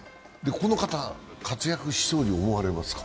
この方、活躍しそうに思われますか？